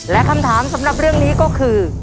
และคำถามสำหรับเรื่องนี้ก็คือ